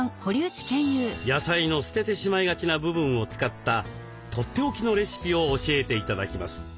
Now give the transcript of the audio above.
野菜の捨ててしまいがちな部分を使ったとっておきのレシピを教えて頂きます。